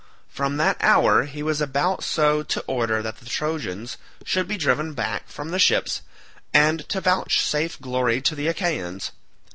From that hour he was about so to order that the Trojans should be driven back from the ships and to vouchsafe glory to the Achaeans.